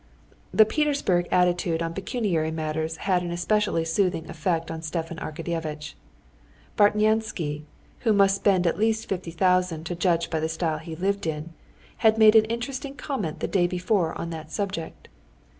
The Petersburg attitude on pecuniary matters had an especially soothing effect on Stepan Arkadyevitch. Bartnyansky, who must spend at least fifty thousand to judge by the style he lived in, had made an interesting comment the day before on that subject.